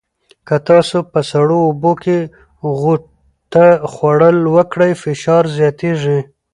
که تاسو په سړو اوبو کې غوطه خوړل وکړئ، فشار زیاتېږي.